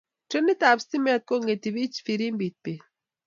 trenit ab stimet ko ingeti pich firimbit peet